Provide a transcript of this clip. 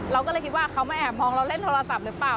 เราก็เลยคิดว่าเขามาแอบมองเราเล่นโทรศัพท์หรือเปล่า